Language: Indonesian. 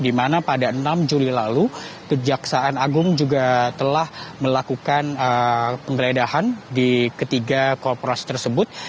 di mana pada enam juli lalu kejaksaan agung juga telah melakukan penggeledahan di ketiga korporasi tersebut